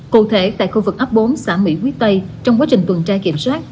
cụ thể tại khu vực ấp bốn xã mỹ quý tây trong quá trình tuần tra kiểm soát